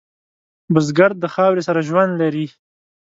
بزګر د خاورې سره ژوند لري